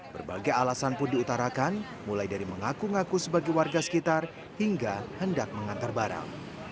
berbagai alasan pun diutarakan mulai dari mengaku ngaku sebagai warga sekitar hingga hendak mengantar barang